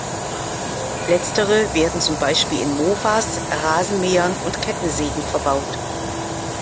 Letztere werden zum Beispiel in Mofas, Rasenmähern und Kettensägen verbaut.